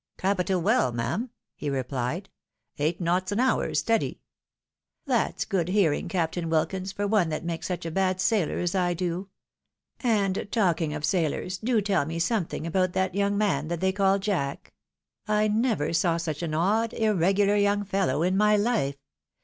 "" Capital well, ma'am," he replied, " eight knots an hour, " That's good hearing, Captain "Wilkins, for one that makes such a bad sailor as I do. And talking of sailors, do teU me something about that young man that they call Jack. I never saw such an odd, irregular young fellow in my Mfe.